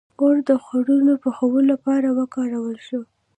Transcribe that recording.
• اور د خوړو پخولو لپاره وکارول شو.